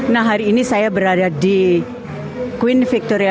nah hari ini saya berada di queen victoria